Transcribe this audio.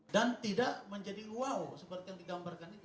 dan tidak menjadi wow seperti yang digambarkan itu